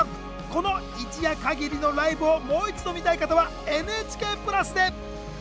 この一夜かぎりのライブをもう一度見たい方はＮＨＫプラスで！